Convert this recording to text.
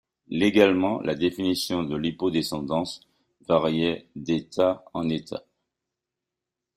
Légalement, la définition de l'hypodescendance variait d’État en État.